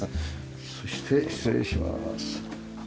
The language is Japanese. そして失礼します。